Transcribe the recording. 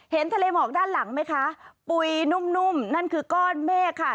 ทะเลหมอกด้านหลังไหมคะปุ๋ยนุ่มนุ่มนั่นคือก้อนเมฆค่ะ